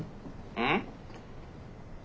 うん？